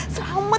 selamat si entut